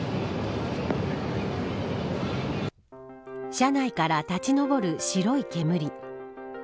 車内から立ち昇る白い煙。